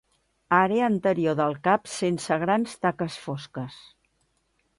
Àrea anterior del cap sense grans taques fosques.